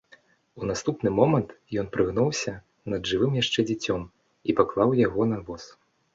У наступны момант ён прыгнуўся над жывым яшчэ дзіцем і паклаў яго на воз.